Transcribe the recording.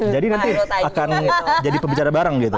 jadi nanti akan jadi pembicara bareng gitu